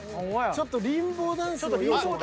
ちょっとリンボーダンスの要素が。